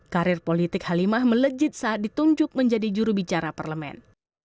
karir politik halimah melejitsa ditunjuk menjadi juru bicara parlemen